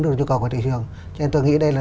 được nhu cầu của thị trường cho nên tôi nghĩ đây là